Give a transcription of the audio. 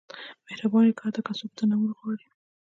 • مهرباني وکړه، حتی که څوک یې درنه نه غواړي.